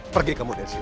pergi kamu dari sini